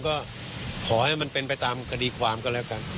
ก็ขอให้มันเป็นไปตามคดีความก็แล้วกัน